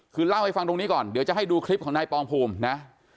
คือเล่าให้ฟังตรงนี้ก่อนเดี๋ยวจะให้ดูคลิปของนายปองภูมินะ